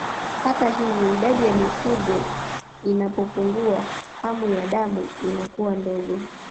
Hata hivyo idadi ya mifugo inapopungua hamu ya damu inakuwa ndogo